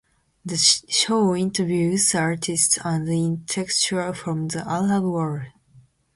The show interviews artists and intellectuals from the Arab World.